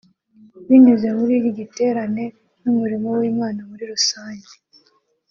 Binyuze muri iki giterane n’umurimo w’Imana muri rusange